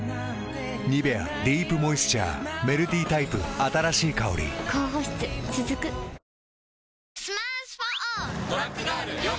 「ニベアディープモイスチャー」メルティタイプ新しい香り高保湿続く。